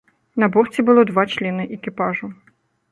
На борце было два члены экіпажу.